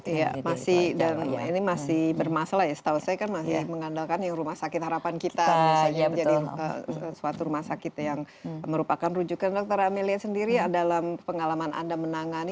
iya masih dan ini masih bermasalah ya setahu saya kan masih mengandalkan yang rumah sakit harapan kita menjadi suatu rumah sakit yang merupakan rujukan dr amelia sendiri dalam pengalaman anda menangani